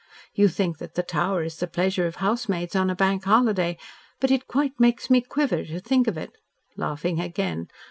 You think that the Tower is the pleasure of housemaids on a Bank Holiday. But it quite makes me quiver to think of it," laughing again.